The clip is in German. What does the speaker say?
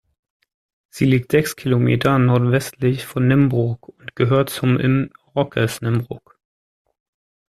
Sie liegt sechs Kilometer nordwestlich von Nymburk und gehört zum im Okres Nymburk.